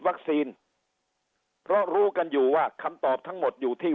เพราะรู้กันอยู่ว่าคำตอบทั้งหมดอยู่ที่